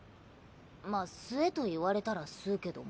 まあ吸えと言われたら吸うけども。